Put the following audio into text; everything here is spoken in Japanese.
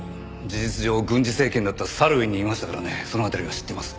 事実上軍事政権だったサルウィンにいましたからねその辺りは知ってます。